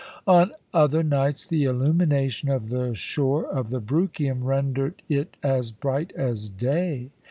On other nights the illumination of the shore of the Bruchium rendered it as bright as day.